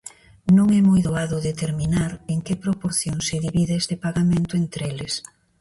Non é moi doado determinar en que proporción se divide este pagamento entre eles.